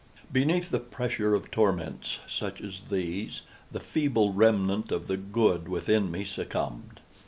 _ Beneath the pressure of torments such as these, the feeble remnant of the good within me succumbed.